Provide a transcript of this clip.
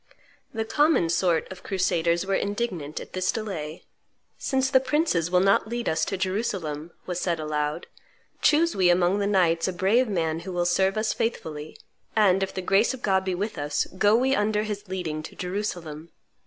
The common sort of crusaders were indignant at this delay: "Since the princes will not lead us to Jerusalem," was said aloud, "choose we among the knights a brave man who will serve us faithfully, and, if the grace of God be with us, go we under his leading to Jerusalem.